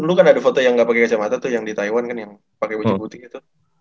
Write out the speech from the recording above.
lu kan ada foto yang ga pake kacamata tuh yang di taiwan kan yang pake baju putih gitu